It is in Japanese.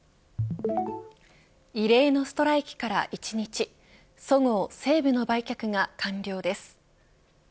異例のストライキから１日そごう・西武の売却が完了です。